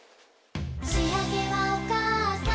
「しあげはおかあさん」